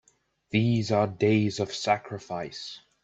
These are days of sacrifice!